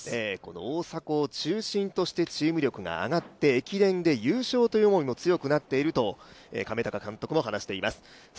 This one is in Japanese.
大迫を中心としてチーム力が上がって駅伝で優勝という思いも強くなっていると、亀鷹監督も話しています。